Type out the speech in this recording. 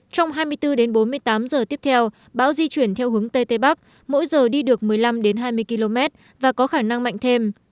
trong hai mươi bốn bốn mươi tám giờ tiếp theo bão di chuyển theo hướng tây tây bắc mỗi giờ đi được một mươi năm hai mươi km và có khả năng mạnh thêm